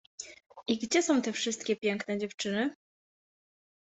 i gdzie są te wszystkie piękne dziewczyny?